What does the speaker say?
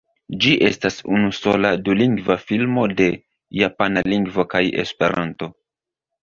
Ĝi estas unu sola dulingva filmo de japana lingvo kaj esperanto.